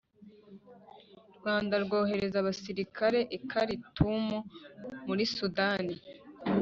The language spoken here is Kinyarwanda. Rwanda rwohereza abasirikare i Karitumu muri Sudani